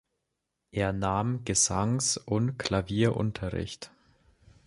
Er nahm Gesangs- und Klavierunterricht.